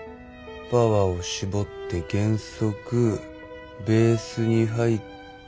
パワーを絞って減速ベースに入った。